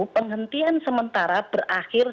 penghentian sementara berakhir